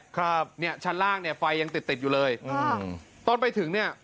ครับเนี่ยชั้นล่างเนี่ยไฟยังติดติดอยู่เลยอ่าตอนไปถึงเนี่ย